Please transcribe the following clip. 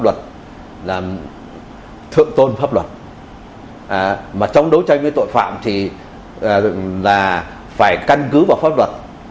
luật là thượng tôn pháp luật mà trong đấu tranh với tội phạm thì là phải căn cứ vào pháp luật